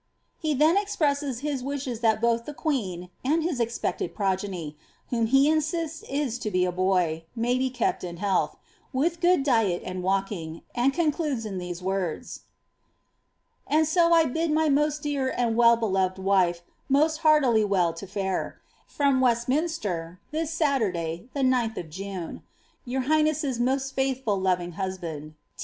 lie then expresses his wishes that both the queen, and his expected progeny, whoin he insists is to be a boy, may be kept in health, •• widi good diet and walking ;'' and concludes in these words :—»• And so I bid iny most dear and well beloved wife most heartily well to fare From Wesmiiiifior, tiiis Saturday, the Cth of June. ^ Your highness's mo»t faithful loving husband.